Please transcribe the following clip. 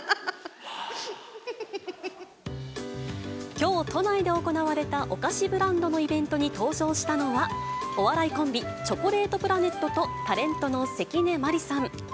きょう、都内で行われたお菓子ブランドのイベントに登場したのは、お笑いコンビ、チョコレートプラネットと、タレントの関根麻里さん。